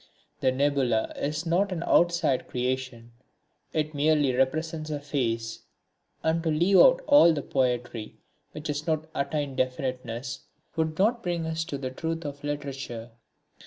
The nebula is not an outside creation it merely represents a phase; and to leave out all poetry which has not attained definiteness would not bring us to the truth of literature.